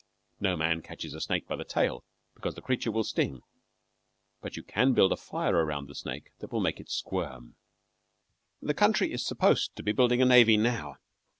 No man catches a snake by the tail, because the creature will sting; but you can build a fire around a snake that will make it squirm. The country is supposed to be building a navy now.